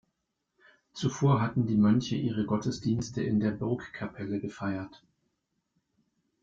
Zuvor hatten die Mönche ihre Gottesdienste in der Burgkapelle gefeiert.